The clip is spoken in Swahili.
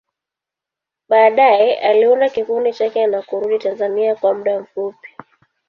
Baadaye, aliunda kikundi chake na kurudi Tanzania kwa muda mfupi.